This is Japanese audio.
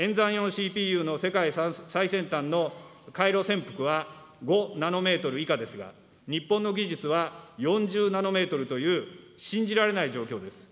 演算用ＣＰＵの世界最先端の回路線幅は５ナノメートル以下ですが、日本の技術は４０ナノメートルという信じられない状況です。